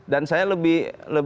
dan saya lebih